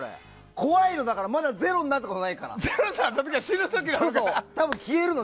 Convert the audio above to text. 怖いの、だから、まだ０になったことないから。